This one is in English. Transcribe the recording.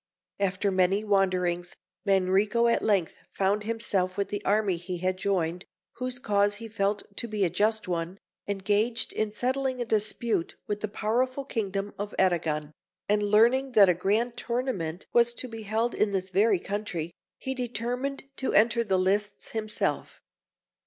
After many wanderings, Manrico at length found himself with the army he had joined whose cause he felt to be a just one engaged in settling a dispute with the powerful kingdom of Arragon; and learning that a grand Tournament was to be held in this very country, he determined to enter the lists himself.